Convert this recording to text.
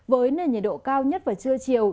với nền nhiệt độ cao nhất vào trưa chiều